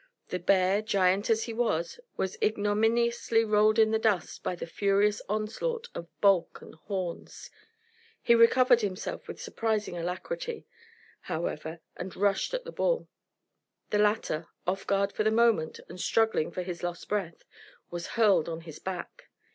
The bear, giant as he was, was ignominiously rolled in the dust by the furious onslaught of bulk and horns. He recovered himself with surprising alacrity, however, and rushed at the bull. The latter, off guard for the moment, and struggling for his lost breath, was hurled on his back.